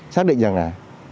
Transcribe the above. xác định rằng là